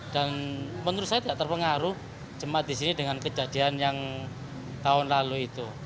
dan menurut saya tidak terpengaruh jemaat di sini dengan kejadian yang tahun lalu itu